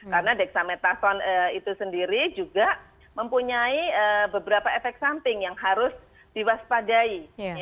karena dexamethasone itu sendiri juga mempunyai beberapa efek samping yang harus diwaspadai